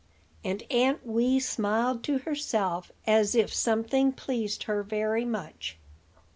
And Aunt Wee smiled to herself as if something pleased her very much.